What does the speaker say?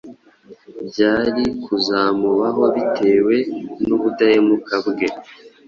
byari kuzamubaho bitewe n’ubudahemuka bwe.